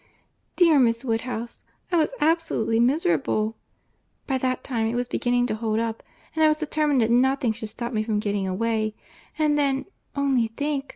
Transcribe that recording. Dear, Miss Woodhouse, I was absolutely miserable! By that time, it was beginning to hold up, and I was determined that nothing should stop me from getting away—and then—only think!